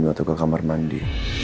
waktu ke kamar mandi